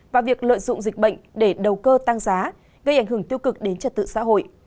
và việc lợi dụng dịch bệnh để đầu cơ tăng giá gây ảnh hưởng tiêu cực đến trật tự xã hội